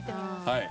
はい。